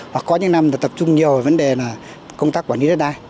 hoặc có những năm thì tập trung nhiều vào vấn đề là công tác quản lý đất đai